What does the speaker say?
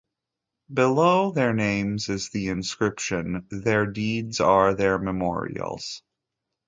Below their names is the inscription, Their Deeds Are Their Memorials.